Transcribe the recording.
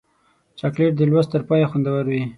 چاکلېټ د لوست تر پایه خوندور وي.